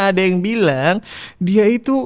ada yang bilang dia itu